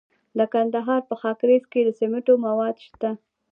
د کندهار په خاکریز کې د سمنټو مواد شته.